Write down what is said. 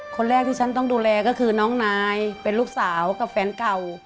คนแรกที่ฉันต้องดูแลก็คือน้องนายเป็นลูกสาวกับแฟนเก่า